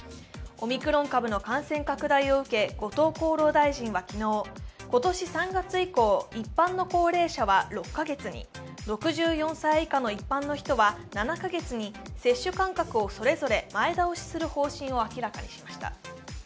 オミクロン株の感染拡大を受け後藤厚労大臣は昨日、今年３月以降、一般の高齢者は６カ月に６４歳以下の一般の人は７カ月に接種間隔をそれぞれ前倒しする方針を明らかにしました。